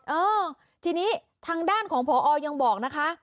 เออทีนี้ทางด้านของพอยังบอกนะคะ